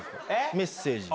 メッセージ。